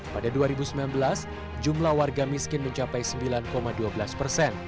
pada dua ribu sembilan belas jumlah warga miskin mencapai sembilan dua belas persen